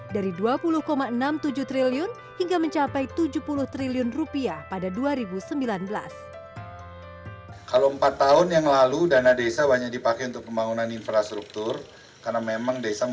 dari dua puluh enam puluh tujuh triliun hingga mencapai tujuh puluh triliun rupiah pada dua ribu sembilan belas